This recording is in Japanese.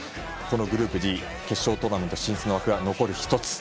グループＧの決勝トーナメント進出の枠は残り１つ。